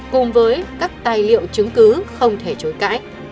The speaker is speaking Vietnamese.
cùng với các tài liệu chứng cứ không thể chối cãi